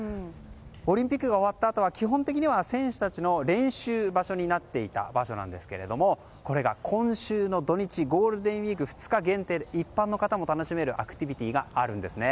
オリンピックが終わったあとは基本的には選手たちの練習場所になっていた場所なんですけれどもこれが今週の土日ゴールデンウィーク２日限定で一般の方も楽しめるアクティビティーがあるんです。